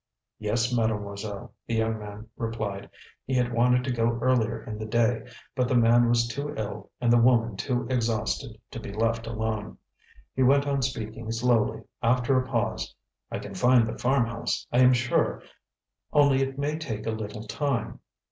"Yes, Mademoiselle," the young man replied. He had wanted to go earlier in the day, but the man was too ill and the woman too exhausted to be left alone. He went on speaking slowly, after a pause. "I can find the farm house, I am sure, only it may take a little time.